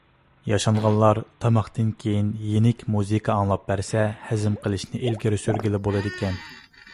ياشانغانلار تاماقتىن كېيىن يېنىك مۇزىكا ئاڭلاپ بەرسە، ھەزىم قىلىشنى ئىلگىرى سۈرگىلى بولىدىكەن.